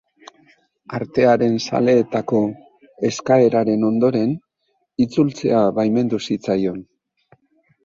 Artearen zaleetako eskaeraren ondoren itzultzea baimendu zitzaion.